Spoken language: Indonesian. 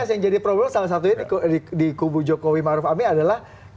mas dias yang jadi problem salah satunya di kubu jokowi maruf ami adalah